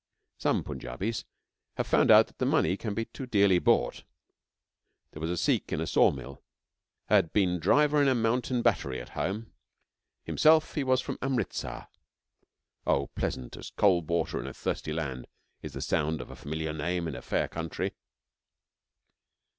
Some Punjabis have found out that money can be too dearly bought. There was a Sikh in a sawmill, had been driver in a mountain battery at home. Himself he was from Amritsar. (Oh, pleasant as cold water in a thirsty land is the sound of a familiar name in a fair country!)